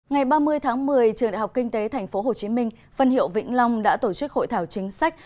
ngày ba mươi tháng một mươi trường đại học kinh tế tp hcm phân hiệu vĩnh long đã tổ chức hội thảo chính sách